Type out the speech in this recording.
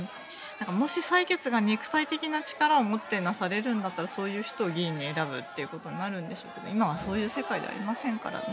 もし、採決が肉体的な力をもってなされるんだったらそういう人を議員に選ぶということになるんでしょうが今はそういう世界ではありませんからね。